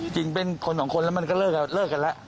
จริงเป็นคนสองคนแล้วมันก็เลิกกันแล้ว